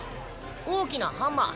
大きなハンマー。